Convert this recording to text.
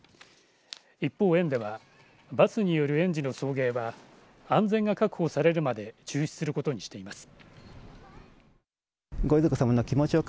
一方園ではバスによる園児の送迎は安全が確保されるまで中止することにしています。